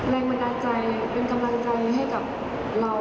แรงบันดาลใจเป็นกำลังใจให้กับเรา